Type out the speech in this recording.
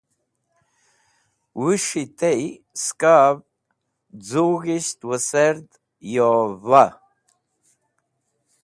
Wũs̃hi tey skav z̃ug̃hsht wesẽrd yova.